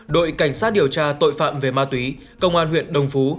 đội cảnh sát điều tra tội phạm về ma túy công an huyện đồng phú